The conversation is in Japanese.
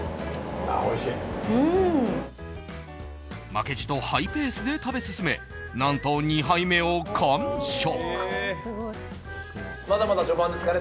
負けじとハイペースで食べ進め何と２杯目を完食。